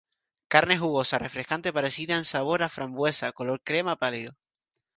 Carne jugosa refrescante parecida en sabor a frambuesa, color crema pálido.